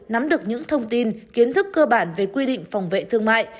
nắm được những thông tin kiến thức cơ bản về quy định phòng vệ thương mại